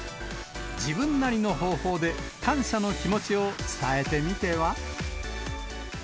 自分なりの方法で、感謝の気持ちを伝えてみては。